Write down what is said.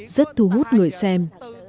rất thu hút người xem